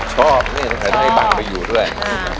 ชอบเนี่ยใส่ด้วยให้บังไปอยู่ด้วย